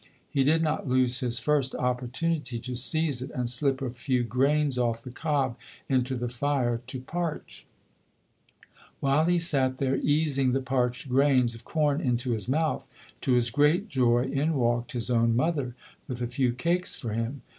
He did not lose his first opportunity to seize it and slip a few grains off the cob into the fire to parch. FREDERICK DOUGLASS [ 19 While he sat there easing the parched grains of corn into his mouth, to his great joy in walked his own mother with a few cakes for him.